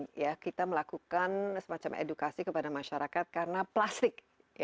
saya ingin memberikan semacam edukasi kepada masyarakat karena plastik